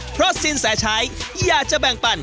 เพราะสินแสชัยอยากจะแบ่งปัน